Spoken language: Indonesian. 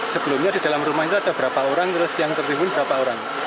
sebelumnya di dalam rumah itu ada berapa orang terus yang tertimbun berapa orang